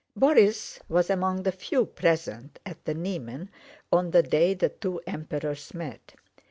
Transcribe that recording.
Borís was among the few present at the Niemen on the day the two Emperors met.